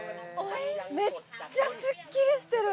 めっちゃすっきりしてる。